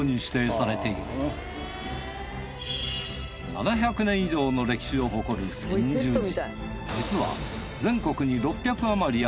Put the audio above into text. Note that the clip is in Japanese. ７００年以上の歴史を誇る専修寺。